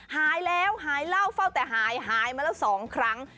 หายแล้วหายเหล้าเฝ้าแต่หายหายมาแล้ว๒ครั้ง